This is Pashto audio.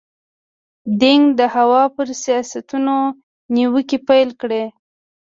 دینګ د هوا پر سیاستونو نیوکې پیل کړې.